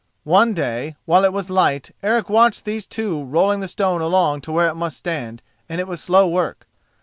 One day, while it was light, Eric watched these two rolling the stone along to where it must stand, and it was slow work.